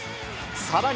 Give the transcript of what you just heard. さらに。